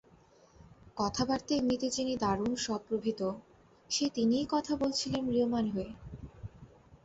কথাবার্তায় এমনিতে যিনি দারুণ সপ্রভিত, সেই তিনিই কথা বলছিলেন ম্রিয়মাণ হয়ে।